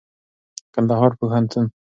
کنــدهـــار پوهنـتــون